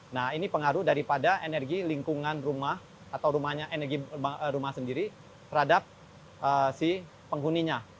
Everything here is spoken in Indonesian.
nah ini pengaruh daripada energi lingkungan rumah atau rumahnya energi rumah sendiri terhadap si penghuninya